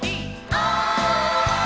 「おい！」